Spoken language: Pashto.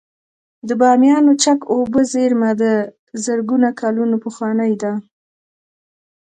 د بامیانو چک اوبو زیرمه د زرګونه کلونو پخوانۍ ده